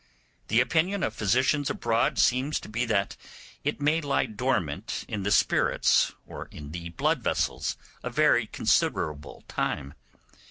The opinion of physicians abroad seems to be that it may lie dormant in the spirits or in the blood vessels a very considerable time.